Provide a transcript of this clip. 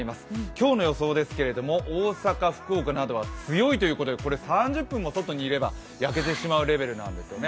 今日の予想ですけども、大阪、福岡などは強いということで３０分も外にいれば焼けてしまうレベルなんですよね。